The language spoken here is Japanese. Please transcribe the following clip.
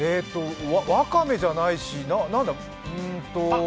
わかめじゃないし何だ？